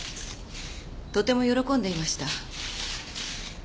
とても喜んでいました。